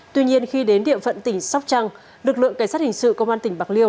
tuy nhiên khi đến địa phận tỉnh sóc trăng lực lượng cảnh sát hình sự công an tỉnh bạc liêu